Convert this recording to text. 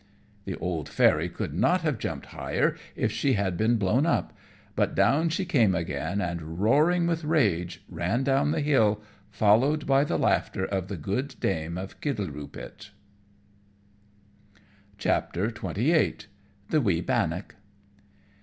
The old Fairy could not have jumped higher if she had been blown up; but down she came again, and roaring with rage ran down the hill, followed by the laughter of the good dame of Kittleroopit. XXVIII. _The wee Bannock.